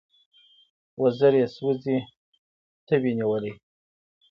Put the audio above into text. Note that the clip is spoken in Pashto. وزر یې سوزي تبې نیولی